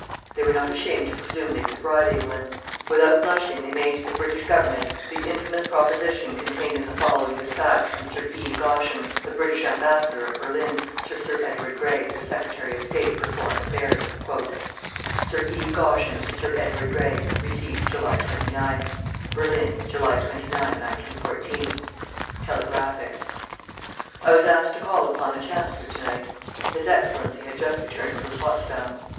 They were not ashamed to presume they could bribe England. Without blushing they made to the British Government the infamous proposition contained in the following despatch from Sir E. Goschen, the British Ambassador at Berlin, to Sir Edward Grey, the Secretary of State for Foreign Affairs: Sir E. Goschen to Sir Edward Grey (Received July 29). Berlin, July 29, 1914. (Telegraphic.) I was asked to call upon the Chancellor to night. His Excellency had just returned from Potsdam.